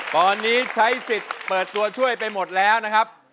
ตอนนี้ใช้สิทธิ์เปิดตัวช่วยไปหมดแล้วนะครับ